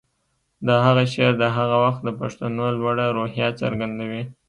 د هغه شعر د هغه وخت د پښتنو لوړه روحیه څرګندوي